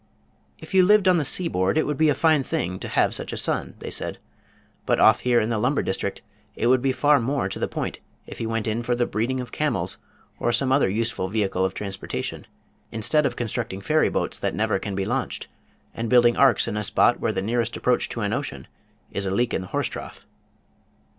"If you lived on the seaboard, it would be a fine thing to have such a son," they said, "but off here in the lumber district it would be far more to the point if he went in for the breeding of camels, or some other useful vehicle of transportation, instead of constructing ferry boats that never can be launched, and building arks in a spot where the nearest approach to an ocean is a leak in the horse trough."